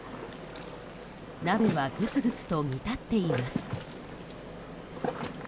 鍋はぐつぐつと煮立っています。